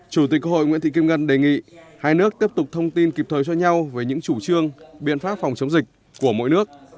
chủ tịch hội nguyễn thị kim ngân đề nghị hai nước tiếp tục thông tin kịp thời cho nhau về những chủ trương biện pháp phòng chống dịch của mỗi nước